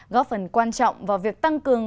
góp phần quan trọng vào việc tăng cường